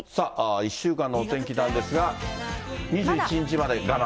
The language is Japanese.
１週間のお天気なんですが、２１日まで我慢。